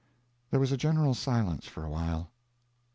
There was a general silence for a while.